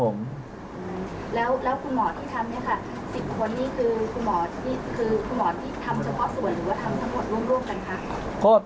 แล้วคุณหมอที่ทำเนี่ยค่ะ๑๐คนนี้คือคุณหมอที่คือคุณหมอที่ทำเฉพาะส่วนหรือว่าทำทั้งหมดร่วมกันคะ